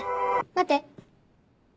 待って。